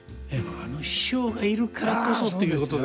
あの師匠がいるからこそっていうことですね。